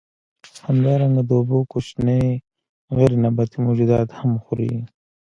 همدارنګه د اوبو کوچني غیر نباتي موجودات هم خوري.